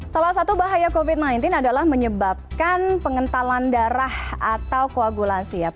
salah satu bahaya covid sembilan belas adalah menyebabkan pengentalan darah atau koagulasi ya